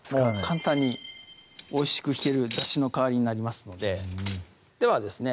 簡単においしく引けるだしの代わりになりますのでではですね